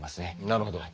なるほど。